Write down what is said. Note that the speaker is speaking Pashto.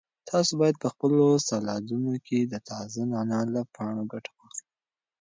تاسو باید په خپلو سالاډونو کې د تازه نعناع له پاڼو ګټه واخلئ.